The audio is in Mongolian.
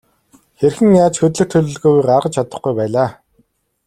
Хэрхэн яаж хөдлөх төлөвлөгөөгөө гаргаж чадахгүй байлаа.